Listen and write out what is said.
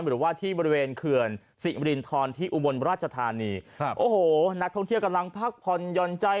หรือว่าที่บริเวณเขื่อนสิมรินทรที่อุบลราชธานีครับโอ้โหนักท่องเที่ยวกำลังพักผ่อนหย่อนใจ